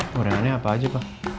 gorengannya apa aja pak